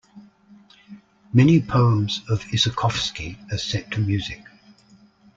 Many poems of Isakovsky are set to music.